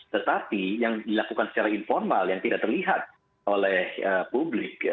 tetapi yang dilakukan secara informal yang tidak terlihat oleh publik